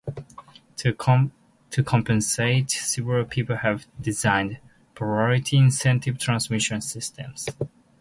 To compensate, several people have designed polarity-insensitive transmission systems.